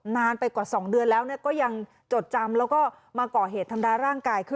นานไปกว่า๒เดือนแล้วก็ยังจดจำแล้วก็มาก่อเหตุทำร้ายร่างกายคือ